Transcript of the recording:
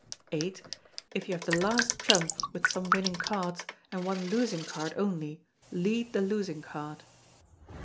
viii. If you have the last trump, with some winning cards, and one losing card only, lead the losing card.